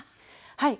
はい。